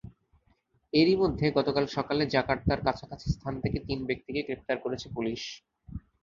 এরই মধ্যে, গতকাল সকালে জাকার্তার কাছাকাছি স্থান থেকে তিন ব্যক্তিকে গ্রেপ্তার করেছে পুলিশ।